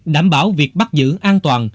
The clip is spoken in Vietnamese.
đảm bảo việc bắt giữ an toàn